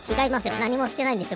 なにもしてないんですよ